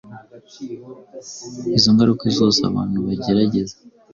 Izo ngaruka soze abantu bagerageza